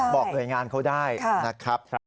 บอกหน่วยงานเขาได้นะครับ